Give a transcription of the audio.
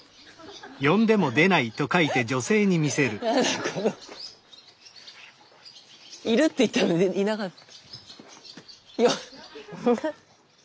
スタジオいるって言ったのにいなかった。